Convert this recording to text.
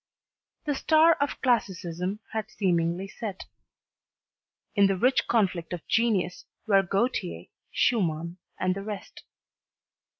The star of classicism had seemingly set. In the rich conflict of genius were Gautier, Schumann, and the rest.